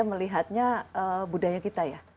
melihatnya budaya kita ya